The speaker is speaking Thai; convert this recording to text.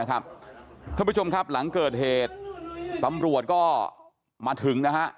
คุณผู้ชมครับหลังเกิดเหตุอำรวจก็มาถึง